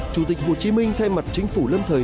chủ tịch hồ chí minh thay mặt chính phủ lâm thời